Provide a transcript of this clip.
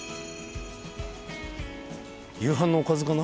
夕飯のおかずかな？